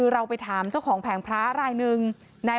เพราะทนายอันนันชายเดชาบอกว่าจะเป็นการเอาคืนยังไง